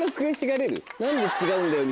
「何で違うんだよ」